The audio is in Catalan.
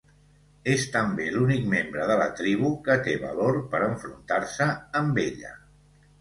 És també l'únic membre de la tribu que té valor per enfrontar-se amb ella.